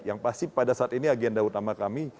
yang pasti pada saat ini agenda utama kami